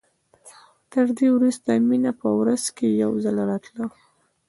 تر دې وروسته مينه په ورځ کښې يو ځل راتله.